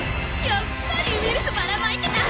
やっぱりウイルスばらまいてた。